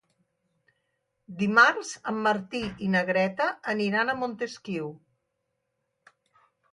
Dimarts en Martí i na Greta aniran a Montesquiu.